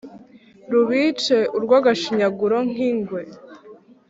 rubice urw’agashinyaguro nk’ingwe.